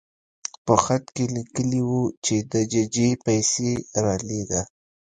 په خط کې لیکلي وو چې د ججې پیسې رالېږه.